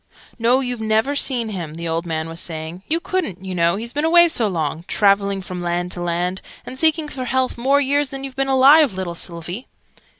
"No, you've never seen him," the old man was saying: "you couldn't, you know, he's been away so long traveling from land to land, and seeking for health, more years than you've been alive, little Sylvie!"